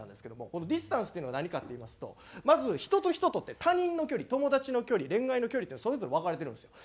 このディスタンスっていうのが何かっていいますとまず人と人とって他人の距離友達の距離恋愛の距離ってそれぞれ分かれてるんですよ。